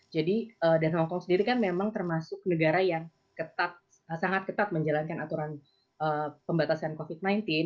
jadi dan hongkong sendiri kan memang termasuk negara yang sangat ketat menjalankan aturan pembatasan covid sembilan belas